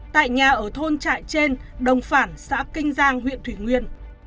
tại nhà ở thôn trại trên đồng phản xã kinh giang huyện thủy nguyên